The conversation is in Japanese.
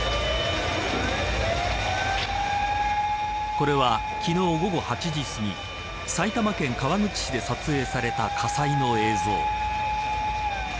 これは、昨日午後８時過ぎ埼玉県川口市で撮影された火災の映像。